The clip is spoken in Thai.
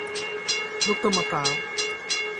ลูกตุ้มมะพร้าว